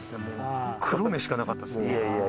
もう黒目しかなかったですもん。